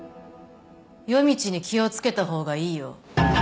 夜道に気を付けた方がいいよ。